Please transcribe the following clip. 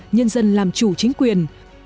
nhân dân làm chủ chính quyền